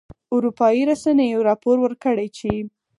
اروپایي رسنیو راپور ورکړی چې